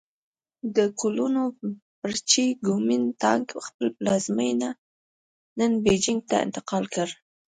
د کلونو پر چې ګومین ټانګ خپل پلازمېنه نن بیجینګ ته انتقال کړ.